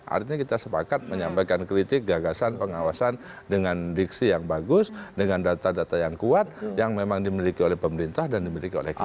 artinya kita sepakat menyampaikan kritik gagasan pengawasan dengan diksi yang bagus dengan data data yang kuat yang memang dimiliki oleh pemerintah dan dimiliki oleh kita